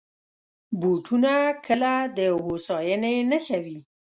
بوټونه کله د هوساینې نښه وي.